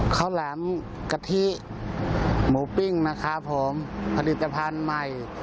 แหลมกะทิหมูปิ้งนะครับผมผลิตภัณฑ์ใหม่